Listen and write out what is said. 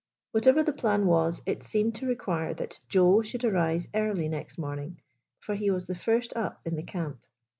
Whatever the plan was, it seemed to require that Joe should arise early next morning ; for he was the first up in the camp.